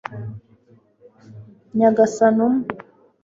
nyagasani umwe